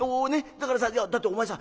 だからさだってお前さ